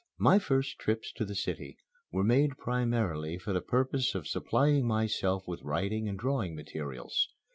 My first trips to the city were made primarily for the purpose of supplying myself with writing and drawing materials.